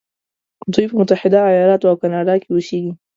دوی په متحده ایلاتو او کانادا کې اوسیږي.